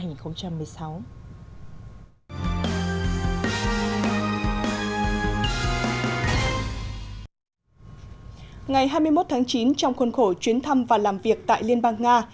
ngày hai mươi một tháng chín trong khuôn khổ chuyến thăm và làm việc tại liên bang nga